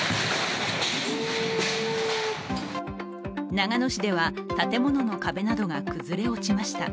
長野市では建物の壁などが崩れ落ちました。